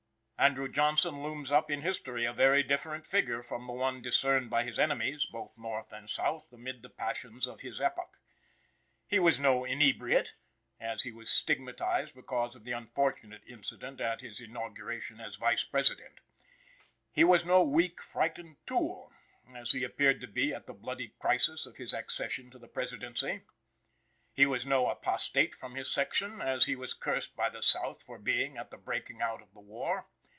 Andrew Johnson looms up in history a very different figure from the one discerned by his enemies, both North and South, amid the passions of his epoch. He was no inebriate, as he was stigmatized because of the unfortunate incident at his inauguration as Vice President. He was no weak, frightened tool, as he appeared to be at the bloody crisis of his accession to the Presidency. He was no apostate from his section, as he was cursed by the South for being at the breaking out of the war.